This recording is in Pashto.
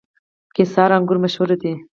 قیصار انګور مشهور دي؟